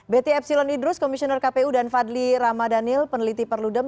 betty epsilon idrus komisioner kpu dan fadli ramadhanil peneliti perludem